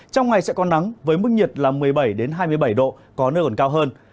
trong ngày sẽ có nắng với mức nhiệt là một mươi bảy hai mươi bảy độ có nơi còn cao hơn